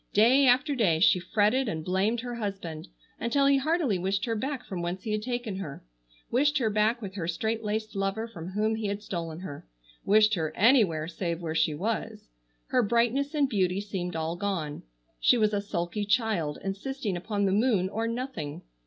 Day after day she fretted and blamed her husband until he heartily wished her back from whence he had taken her; wished her back with her straitlaced lover from whom he had stolen her; wished her anywhere save where she was. Her brightness and beauty seemed all gone: she was a sulky child insisting upon the moon or nothing.